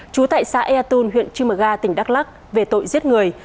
chú tại xã ea tôn huyện chimaga tỉnh đắk lắc về tội giết người